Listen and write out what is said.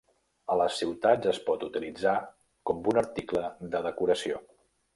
A les ciutats es pot utilitzar com un article de decoració.